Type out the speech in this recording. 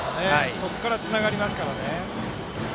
そこから、つながりますから。